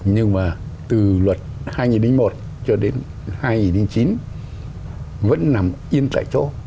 nhưng mà từ luật hai nghìn một cho đến hai nghìn chín vẫn nằm yên tại chỗ